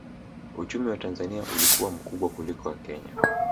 Uchumi wa Tanzania ulikuwa mkubwa kuliko wa Kenya